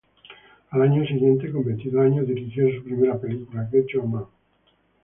Al año siguiente, con veintidós años, dirigió su primera película, "Get Your Man".